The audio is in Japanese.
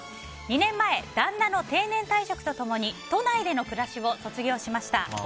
２年前旦那の定年退職と共に都内での暮らしを卒業しました。